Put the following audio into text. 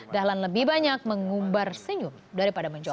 dahlan lebih banyak mengumbar senyum daripada mencoba